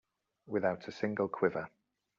Without a single quiver.